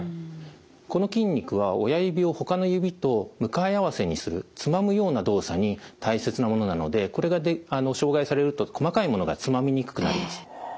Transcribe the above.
この筋肉は親指をほかの指と向かい合わせにするつまむような動作に大切なものなのでこれが障害されると細かいものがつまみにくくなります。